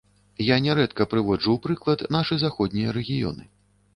Я нярэдка прыводжу ў прыклад нашы заходнія рэгіёны.